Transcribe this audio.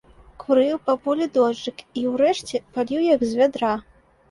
Курыў па полі дожджык і, урэшце, паліў як з вядра.